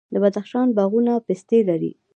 د بدخشان باغونه پستې لري.